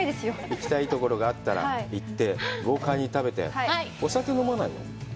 行きたいところがあったら行って、豪快に食べて、お酒は飲まないの？